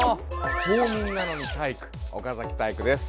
公民なのに体育岡崎体育です。